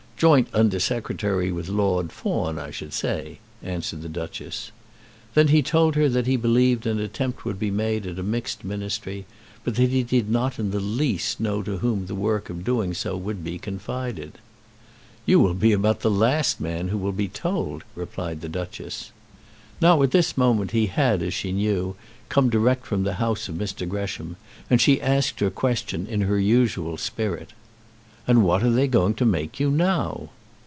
"Joint Under Secretary with Lord Fawn, I should say," answered the Duchess. Then he told her that he believed an attempt would be made at a mixed ministry, but that he did not in the least know to whom the work of doing so would be confided. "You will be about the last man who will be told," replied the Duchess. Now, at this moment, he had, as she knew, come direct from the house of Mr. Gresham, and she asked her question in her usual spirit. "And what are they going to make you now?"